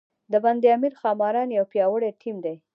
د بند امیر ښاماران یو پیاوړی ټیم دی.